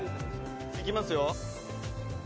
「いきますよ？」